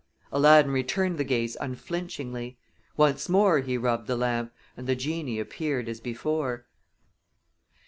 Aladdin returned the gaze unflinchingly. Once more he rubbed the lamp, and the genie appeared as before.